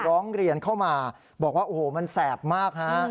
ร้องเรียนเข้ามาบอกว่าโอ้โหมันแสบมากฮะ